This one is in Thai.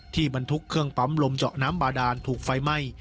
บรรทุกเครื่องปั๊มลมเจาะน้ำบาดานถูกไฟไหม้